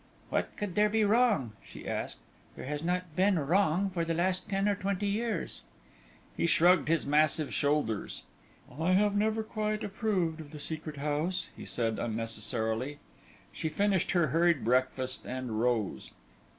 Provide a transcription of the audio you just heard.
"What could there be wrong," she asked, "that has not been wrong for the last ten or twenty years?" He shrugged his massive shoulders. "I have never quite approved of the Secret House," he said, unnecessarily. She finished her hurried breakfast and rose.